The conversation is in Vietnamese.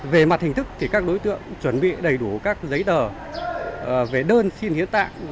về mặt hình thức thì các đối tượng chuẩn bị đầy đủ các giấy tờ về đơn xin hiến tạng